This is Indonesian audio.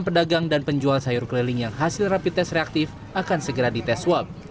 pedagang dan penjual sayur keliling yang hasil rapi tes reaktif akan segera dites swab